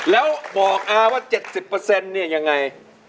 แล้วบอกอาว่า๗๐เนี่ยยังไง